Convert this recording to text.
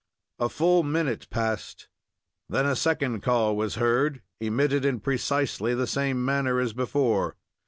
A full minute passed. Then a second call was heard, emitted in precisely the same manner as before.